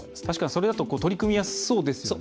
それだと取り組みやすそうですよね。